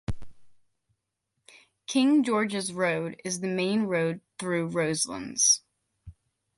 King Georges Road is the main road through Roselands.